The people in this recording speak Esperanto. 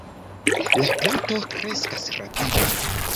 La planto kreskas rapide.